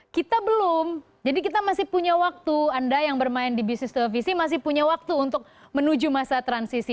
kita belum jadi kita masih punya waktu anda yang bermain di bisnis televisi masih punya waktu untuk menuju masa transisi